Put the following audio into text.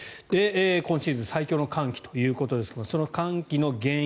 今シーズン最強の寒気ということですがその寒気の原因